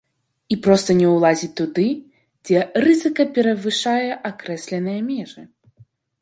І проста не ўлазіць туды, дзе рызыка перавышае акрэсленыя межы.